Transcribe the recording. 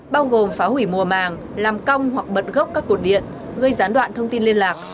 bao gồm phá hủy mùa màng làm cong hoặc bận gốc các cột điện gây gián đoạn thông tin liên lạc